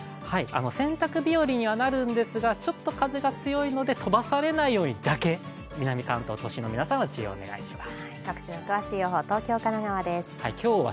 洗濯日和にはなるんですがちょっと風が強いので飛ばされないようにだけ、南関東都心の皆さんは注意をお願いします。